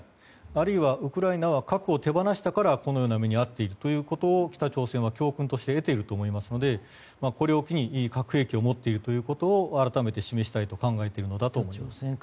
あるいはウクライナは核を手放したからこのような目に遭っているということを北朝鮮は教訓として得ていると思いますのでこれを機に、核兵器を持っているということを改めて示したいと考えているのだと思います。